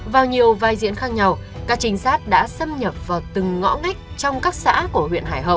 vào nhiều vai diễn khác nhau các trinh sát đã xâm nhập vào từng ngõ ngách trong các xã của huyện hải hậu